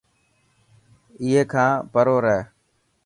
اي کان پرو رهي.